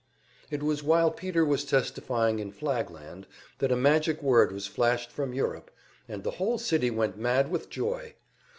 It was while Peter was testifying in Flagland that a magic word was flashed from Europe, and the whole city went mad with joy.